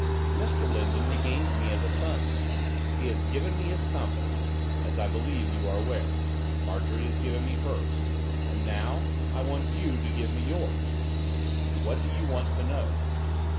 'Mr Lindon regards me as a son. He has given me his confidence; as I believe you are aware, Marjorie has given me hers; and now I want you to give me yours.' 'What do you want to know?